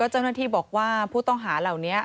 เจ้าหน้าที่บอกว่าผู้ต้องหาเหล่านี้